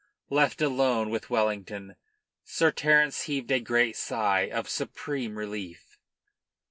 Left alone with Wellington, Sir Terence heaved a great sigh of supreme relief.